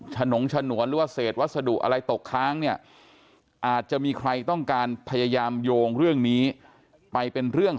ฉนงฉนวนหรือว่าเศษวัสดุอะไรตกค้างเนี่ยอาจจะมีใครต้องการพยายามโยงเรื่องนี้ไปเป็นเรื่อง